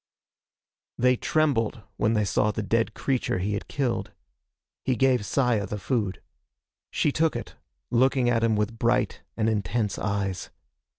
They trembled when they saw the dead creature he had killed. He gave Saya the food. She took it, looking at him with bright and intense eyes.